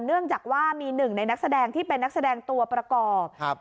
เนื่องจากว่ามีหนึ่งในนักแสดงที่เป็นนักแสดงตัวประกอบครับ